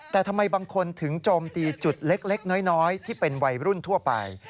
แต่ทำไมบางคนถึงโจมตีจุดเล็กน้อยที่เป็นวัยรุ่นทั่วไป